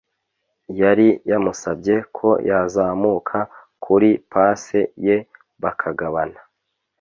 yari yamusabye ko yazamuka kuri pase ye bakagabana